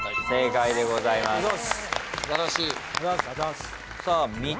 正解でございます。